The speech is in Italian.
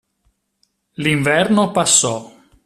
L'inverno passò.